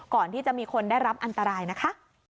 ก่อนที่จะมีคนได้รับอันตรายนะคะ